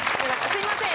すいません！